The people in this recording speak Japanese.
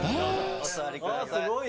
お座りください